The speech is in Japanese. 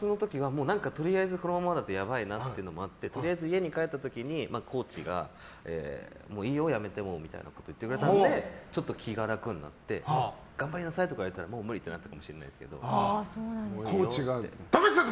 とりあえず、このままだとやばいなって思ったのでとりあえず、家に帰った時にコーチがもういいよ、やめてよみたいに言ってくれたのでちょっと気が楽になって頑張りなさい！とか言われたらもう無理！ってなったかもコーチが何やってんだ！